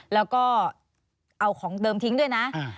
แล้วก็เอาของเดิมทิ้งด้วยนะ